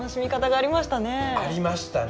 ありましたね。